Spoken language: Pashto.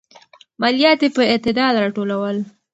ماليات يې په اعتدال راټولول.